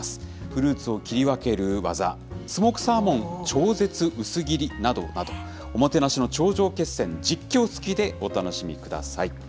フルーツを切り分ける技、スモークサーモン超絶薄切りなどなど、おもてなしの頂上決戦、実況つきでお楽しみください。